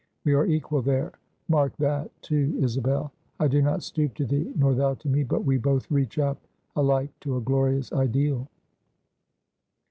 We are equal there; mark that, too, Isabel. I do not stoop to thee, nor thou to me; but we both reach up alike to a glorious ideal!